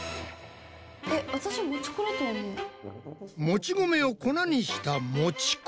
もち米を粉にしたもち粉！